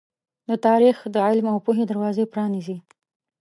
دا تاریخ د علم او پوهې دروازې پرانیزي.